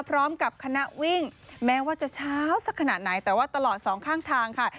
พร้อมกับคณะวิ่งแม้ว่าจะเช้าสักขนาดไหนแต่ว่าตลอดสองข้างทางค่ะ